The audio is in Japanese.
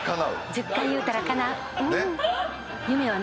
１０回言うたら叶う。